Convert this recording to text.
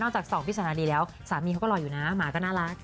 จากสองพี่สารดีแล้วสามีเขาก็หล่ออยู่นะหมาก็น่ารัก